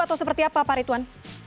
atau seperti apa pak ritwan